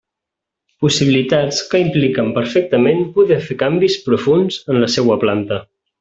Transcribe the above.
Possibilitats que impliquen perfectament poder fer canvis profunds en la seua planta.